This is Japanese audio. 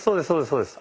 そうです